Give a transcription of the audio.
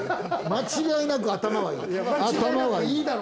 間違いなく頭はいい。